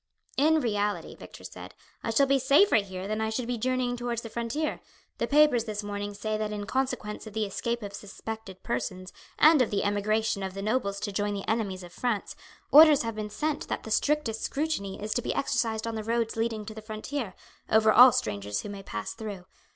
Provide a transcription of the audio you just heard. "In reality," Victor said, "I shall be safer here than I should be journeying towards the frontier. The papers this morning say that in consequence of the escape of suspected persons, and of the emigration of the nobles to join the enemies of France, orders have been sent that the strictest scrutiny is to be exercised on the roads leading to the frontier, over all strangers who may pass through.